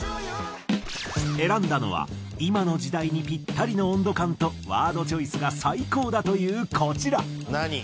選んだのは今の時代にピッタリの温度感とワードチョイスが最高だというこちら。